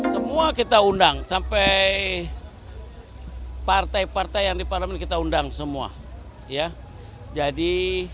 semua kita undang sampai partai partai yang di parlemen kita undang semua ya jadi